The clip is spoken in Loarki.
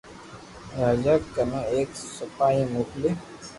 راجا ڪنو ايڪ سپايو موڪلي